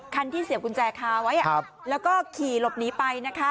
ที่เสียบกุญแจคาไว้แล้วก็ขี่หลบหนีไปนะคะ